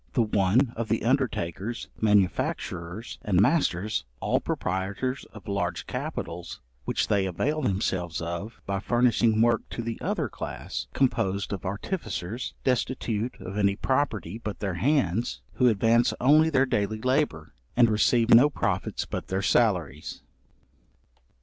The one, of the undertakers, manufacturers and masters, all proprietors of large capitals, which they avail themselves of, by furnishing work to the other class, composed of artificers, destitute of any property but their hands, who advance only their daily labour, and receive no profits but their salaries.